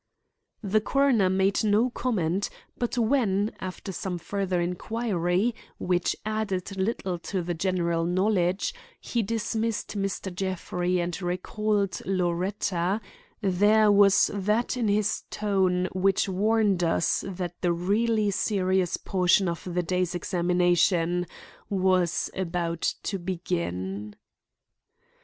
The coroner made no comment, but when, after some further inquiry, which added little to the general knowledge, he dismissed Mr. Jeffrey and recalled Loretta, there was that in his tone which warned us that the really serious portion of the day's examination was about to begin.